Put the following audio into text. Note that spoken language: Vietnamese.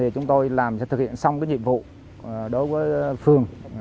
chúng tôi làm sẽ thực hiện xong nhiệm vụ đối với phương